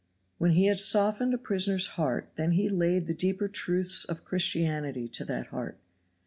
When he had softened a prisoner's heart then he laid the deeper truths of Christianity to that heart.